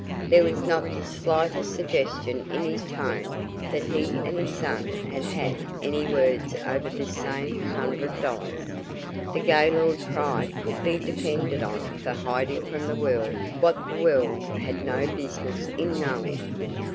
There was not the slightest suggestion in his tone that he and his son had had any words over this same hundred dollars. The Gaylord pride could be depended on for hiding from the world what the world had no business in knowing.